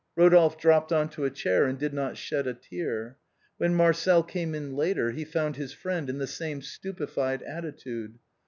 Eodolphe dropped on to a chair and did not shed a tear. When Marcel came in later he found his friend in the same stupefied attitude.